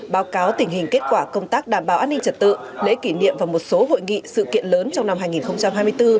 báo cáo tình hình kết quả công tác đảm bảo an ninh trật tự lễ kỷ niệm và một số hội nghị sự kiện lớn trong năm hai nghìn hai mươi bốn